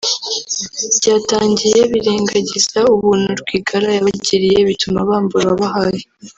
Byatangiye birengagiza ubuntu Rwigara yabagiriye bituma bambura uwabahaye